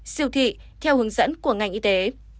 siêu thị theo hướng dẫn của ngành y tế